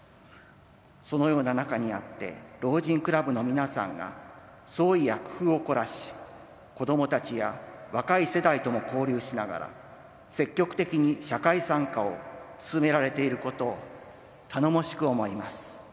そのような中にあって、老人クラブの皆さんが創意や工夫を凝らし、子どもたちや若い世代とも交流しながら、積極的に社会参加を進められていることを頼もしく思います。